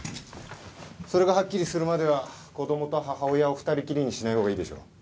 それがはっきりするまでは子供と母親を二人きりにしないほうがいいでしょう。